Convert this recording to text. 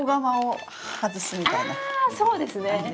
そうですね。